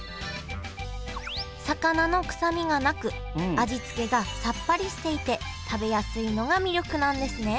魚の臭みがなく味付けがさっぱりしていて食べやすいのが魅力なんですね